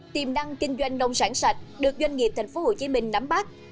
tiềm năng kinh doanh nông sản sạch được doanh nghiệp tp hcm nắm bắt